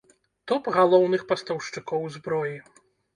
Топ галоўных пастаўшчыкоў зброі.